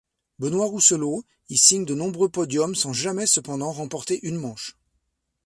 Benoît Rousselot y signe de nombreux podiums sans jamais cependant remporter une manche.